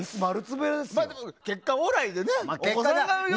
結果オーライですけどね。